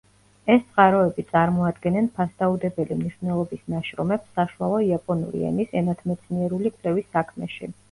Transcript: ეს წყაროები წარმოადგენენ ფასდაუდებელი მნიშვნელობის ნაშრომებს საშუალო იაპონური ენის ენათმეცნიერული კვლევის საქმეში.